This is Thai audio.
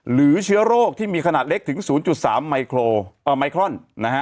หรือเชื้อโรคที่มีขนาดเล็กถึง๐๓ไมครอน